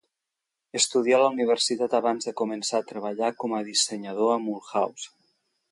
Estudià a la universitat abans de començar a treballar com a dissenyador a Mulhouse.